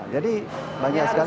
jadi banyak sekali